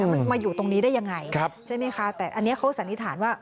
มันมาอยู่ตรงนี้ได้ยังไงใช่ไหมคะแต่อันนี้เขาสันนิษฐานว่า